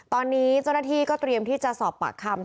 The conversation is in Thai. ตอนนี้เจ้าหน้าที่ก็เตรียมที่จะสอบปากคำ